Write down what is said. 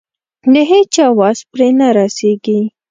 د هيچا وس پرې نه رسېږي.